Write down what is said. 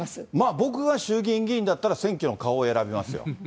僕が衆議院議員だったら選挙の顔を選びますよ。